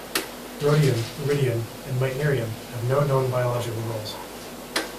Rhodium, iridium, and meitnerium have no known biological roles.